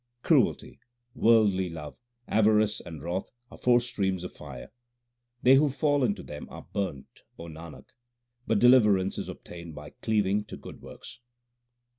Cruelty, worldly love, avarice, and wrath are four streams of fire : They who fall into them are burnt, O Nanak, but de liverance is obtained by cleaving to good works.